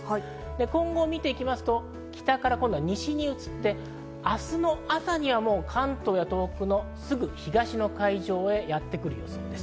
今後見ていきますと、北から西に移って、明日の朝には関東や東北のすぐ東の海上にやってくる予想です。